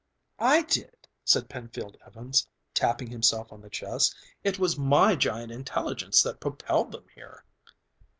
"I did!" said Penfield Evans, tapping himself on the chest. "It was my giant intelligence that propelled them here."